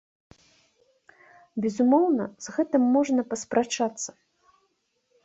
Безумоўна, з гэтым можна паспрачацца.